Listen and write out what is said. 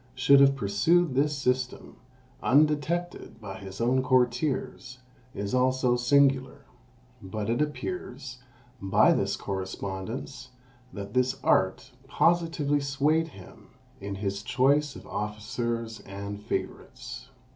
should have pursued this system, undetected by his own courtiers, is also singular; but it appears, by this correspondence, that this art positively swayed him in his choice of officers and favourites.